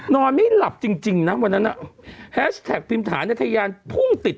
นอนไม่หลับจริงจริงนะวันนั้นแฮชแท็กพิมพ์ถาเนี่ยทะยานพุ่งติด